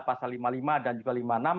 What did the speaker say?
pasal lima puluh lima dan juga lima puluh enam